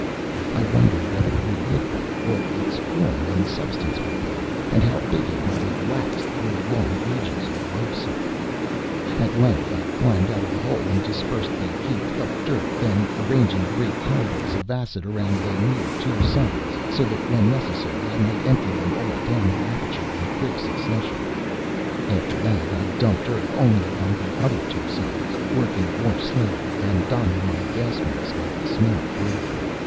I wondered what it would look like what its form and substance would be, and how big it might have waxed through long ages of life sucking. At length I climbed out of the hole and dispersed the heaped up dirt, then arranging the great carboys of acid around and near two sides, so that when necessary I might empty them all down the aperture in quick succession. After that I dumped earth only along the other two sides; working more slowly and donning my gas mask as the smell grew.